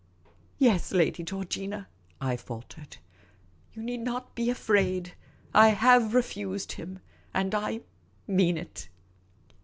" Yes, Lady Georgina," I faltered. " You need not be afraid. I have refused him ; and I mean it."